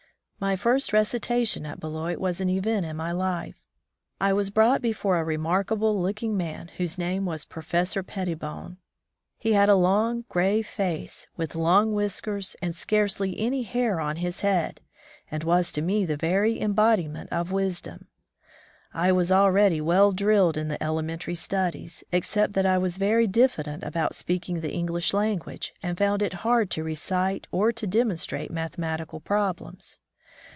My first recitation at Beloit was an event in my life. I was brought before a remark able looking man whose name was Professor Pettibone. He had a long, grave face, with 58 From the Deep Woods to Civilization long whiskers and scarcdy any hair on his head, and was to me the very embodiment of wisdom. I was ahready well drilled in the elementary studies, except that I was very diffident about speaking the English lan guage, and found it hard to recite or to demonstrate mathematical problems.